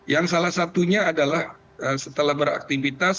yang salah satunya adalah setelah beraktivitas